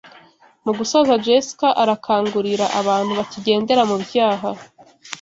Mu gusoza Jessica arakangurira abantu bakigendera mu byaha